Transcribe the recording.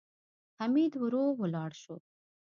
حميد ورو ولاړ شو.